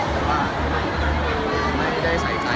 ก็ว่าผมก็ไม่ได้ใจใจนะคะ